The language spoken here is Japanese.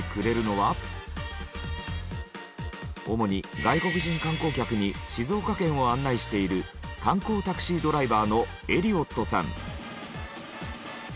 主に外国人観光客に静岡県を案内している観光タクシードライバーのエリオットさん。